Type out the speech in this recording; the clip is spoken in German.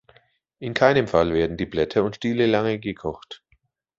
In keinem Fall werden die Blätter und Stiele lange gekocht.